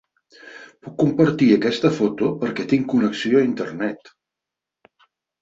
Puc compartir aquesta foto perquè tinc connexió a internet.